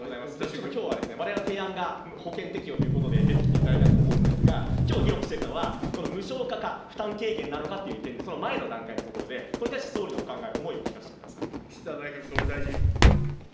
ちょっときょうは、われわれの提案が保険適用ということで出てきていただいたと思うんですが、きょう議論しているのは、無償化か、負担軽減なのかという点で、その前の段階のところで、これに対して総理のお考え、岸田内閣総理大臣。